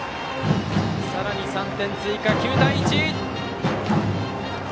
さらに３点追加、９対１。